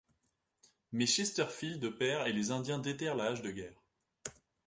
Mais Chesterfield perd et les indiens déterrent la hache de guerre.